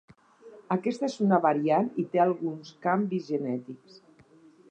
Aquesta és una variant i té alguns canvis genètics.